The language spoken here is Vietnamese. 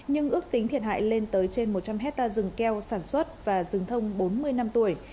nhưng ước tính thiệt hại lên tới trên một trăm linh hectare rừng keo sản xuất và rừng thông bốn mươi năm tuổi